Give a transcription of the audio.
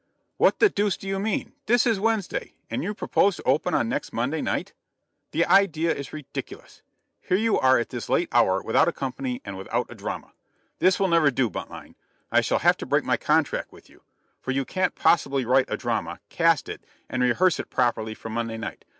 "What the deuce do you mean? This is Wednesday, and you propose to open on next Monday night. The idea is ridiculous. Here you are at this late hour without a company and without a drama. This will never do, Buntline. I shall have to break my contract with you, for you can't possibly write a drama, cast it, and rehearse it properly for Monday night.